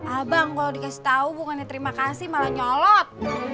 abang kalo dikasih tau gue gak nanya terima kasih malah nyolot